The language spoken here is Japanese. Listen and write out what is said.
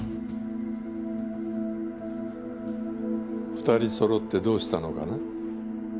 ２人そろってどうしたのかな？